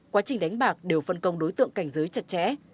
quá trình đánh bạc đều phân công đối tượng cảnh giới chặt chẽ